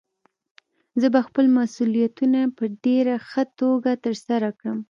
زه به خپل مسؤليتونه په ډېره ښه توګه ترسره کړم.